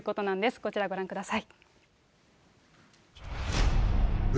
こちらご覧ください。